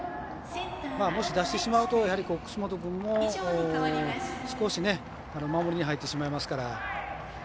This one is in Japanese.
もし出してしまうと楠本君も少し守りに入ってしまいますから。